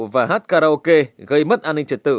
và hát karaoke gây mất an ninh trật tự